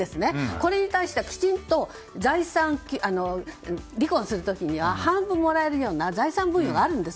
これに対してはきちんと離婚する時には半分もらえるような財産分与があるんです。